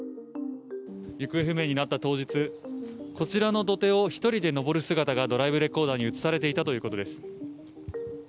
行方不明になった当日こちらの土手を１人で上る姿がドライブレコーダーに映されていたということです。